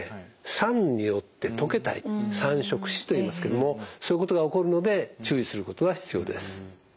酸によって溶けたり酸蝕歯といいますけどもそういうことが起こるので注意することが必要です。